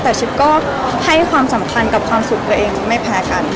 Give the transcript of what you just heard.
แต่ชิปก็ให้ความสำคัญกับความสุขตัวเองไม่แพ้กัน